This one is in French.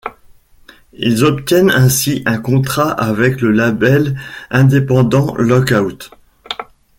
Ils obtiennent ainsi un contrat avec le label indépendant Lookout!